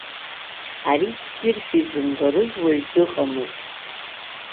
Ари ссиршәа изымбарыз уаҩ дыҟамызт.